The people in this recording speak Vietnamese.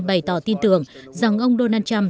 bày tỏ tin tưởng rằng ông donald trump